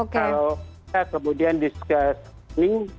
kalau kemudian disesuaikan